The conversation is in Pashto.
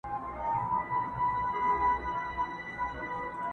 هري خوا ته يې سكروټي غورځولي.!